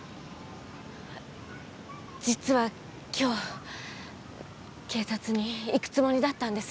実は今日警察に行くつもりだったんです。